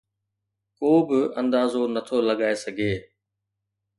ڪو به اندازو نٿو لڳائي سگهي